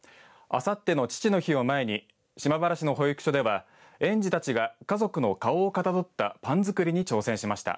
あさっての父の日を前に島原市の保育所では園児たちが家族の顔をかたどったパン作りに挑戦しました。